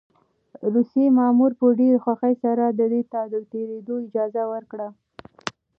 روسي مامور په ډېرې خوښۍ سره ده ته د تېرېدو اجازه ورکړه.